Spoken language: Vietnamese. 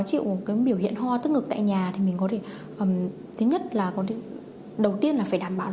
của những biểu hiện ho tức ngực tại nhà thì mình có thể thứ nhất là đầu tiên là phải đảm bảo